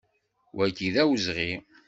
Wagi d awezɣi!